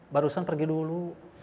barusan pergi dulu